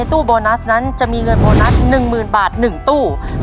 ตู้โบนัสนั้นจะมีเงินโบนัส๑๐๐๐บาท๑ตู้